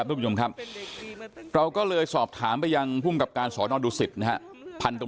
ทำไมมันต้องเป็น